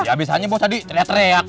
ya abisannya bos tadi teriak teriak